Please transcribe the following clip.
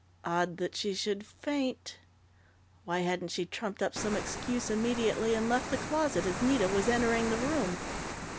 Odd that she should faint! Why hadn't she trumped up some excuse immediately and left the closet as Nita was entering the room?